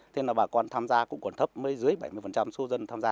thế nên là bà con tham gia cũng còn thấp mấy dưới bảy mươi số dân tham gia